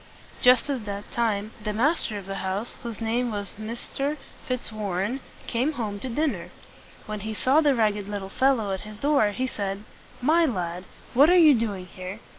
Just at that time the master of the house, whose name was Mr. Fitz war´ren, came home to dinner. When he saw the ragged little fellow at his door, he said, "My lad, what are you doing here?